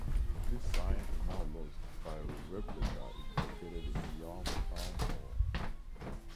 This sign is now lost, but a replica is located in Yarm Town Hall.